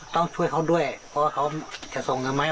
ต้องช่วยเขาด้วยเพราะว่าเขาจะส่งเงินไหม